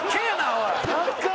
おい。